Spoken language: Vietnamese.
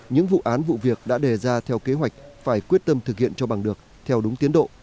những vụ án vụ việc đã đề ra theo kế hoạch phải quyết tâm thực hiện cho bằng được theo đúng tiến độ